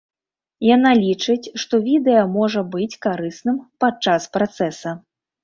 Яна лічыць, што відэа можа быць карысным падчас працэса.